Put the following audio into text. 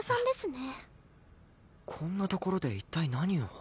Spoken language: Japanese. こんな所で一体何を。